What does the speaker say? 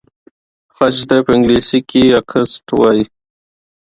خج ته په انګلیسۍ کې اکسنټ وایي.